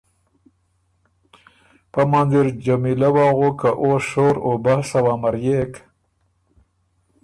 پۀ منځ اِر جمیلۀ وغُک که او شور او بحث وه امريېک